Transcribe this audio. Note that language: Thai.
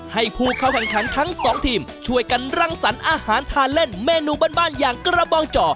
ให้ผู้เข้าแข่งขันทั้งสองทีมช่วยกันรังสรรค์อาหารทานเล่นเมนูบ้านอย่างกระบองจ่อ